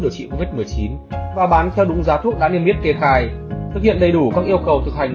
điều trị covid một mươi chín và bán theo đúng giá thuốc đã niêm yết kê khai thực hiện đầy đủ các yêu cầu thực hành